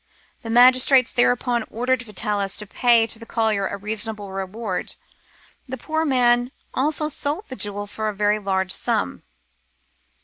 The magistrates thereupon ordered Vitalis to pay to the collier a reasonable reward. The poor man also sold the jewel for a very large sum."